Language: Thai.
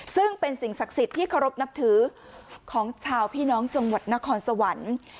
ซึ่งเป็นสิ่งศักดิ์สิทธิ์ที่เคารพนับถือของชาวพี่น้องจังหวัดนครสวรรค์